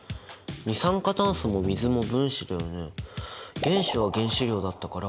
二酸化炭素も水も分子だよね？